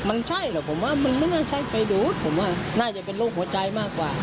มันใช่หรอกผมว่ามันไม่น่าใช่ไปดูผมว่าน่าจะเป็นโรคหัวใจมากกว่า